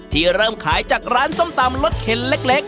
เริ่มขายจากร้านส้มตำรถเข็นเล็ก